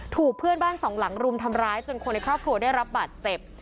ถูกเพื่อนบ้านสองหลังรุมทำร้ายจนคนในครอบครัวได้รับบาดเจ็บ